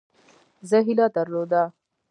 زه هیله درلوده.